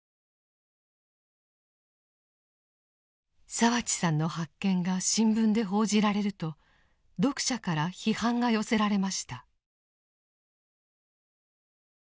澤地さんの発見が新聞で報じられると読者から批判が寄せられました。